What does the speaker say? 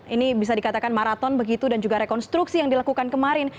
ini bisa dikatakan maraton begitu dan juga rekonstruksi yang dilakukan kemarin